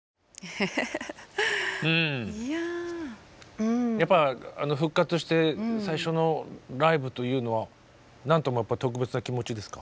うんやっぱり復活して最初のライブというのは何ともやっぱり特別な気持ちですか？